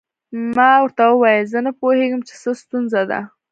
ما ورته وویل زه نه پوهیږم چې څه ستونزه ده.